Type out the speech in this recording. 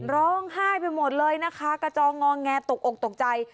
ร้องไห้ไปหมดเลยนะคะกระจองงอแงตกอกตกใจ